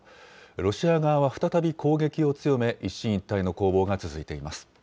ロシア側は再び攻撃を強め、一進一退の攻防が続いています。